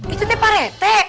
itu teh pak rette